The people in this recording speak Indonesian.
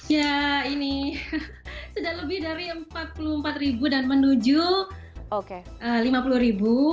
ya ini sudah lebih dari empat puluh empat ribu dan menuju lima puluh ribu